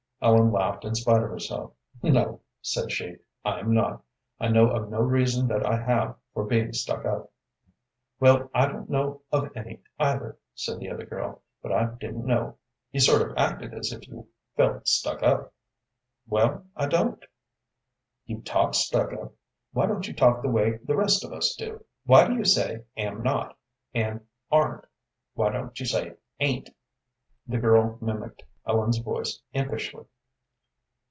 Ellen laughed in spite of herself. "No," said she, "I am not. I know of no reason that I have for being stuck up." "Well, I don't know of any either," said the other girl, "but I didn't know. You sort of acted as if you felt stuck up." "Well, I don't." "You talk stuck up. Why don't you talk the way the rest of us do? Why do you say 'am not,' and 'ar'n't'; why don't you say 'ain't'?" The girl mimicked Ellen's voice impishly.